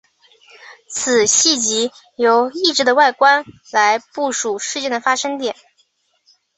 此系藉由异质的外观来部署事件的发生点。